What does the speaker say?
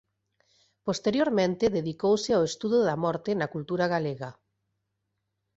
Posteriormente dedicouse ao estudo da morte na cultura galega.